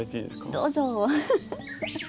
どうぞ！